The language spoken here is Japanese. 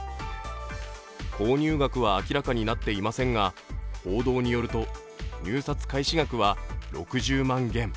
購入額は明らかになっていませんが報道によると入札開始額は６０万元。